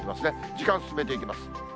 時間進めていきます。